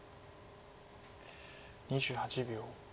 ２８秒。